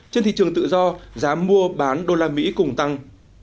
trên thị trường tự do giá mua bán đô la mỹ cùng tăng